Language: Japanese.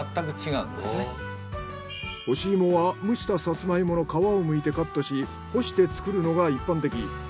干し芋は蒸したサツマイモの皮をむいてカットし干して作るのが一般的。